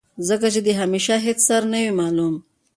ځکه چې د همېشه هېڅ سر نۀ وي معلوم